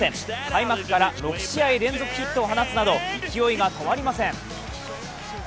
開幕から６試合連続ヒットを放つなど勢いが止まりません。